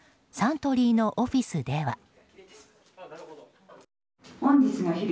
サントリーのオフィスでは。